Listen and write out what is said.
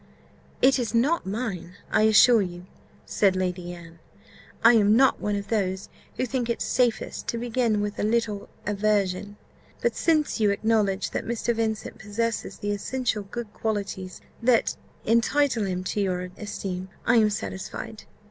"It is not mine, I assure you," said Lady Anne. "I am not one of those who think it 'safest to begin with a little aversion;' but since you acknowledge that Mr. Vincent possesses the essential good qualities that entitle him to your esteem, I am satisfied.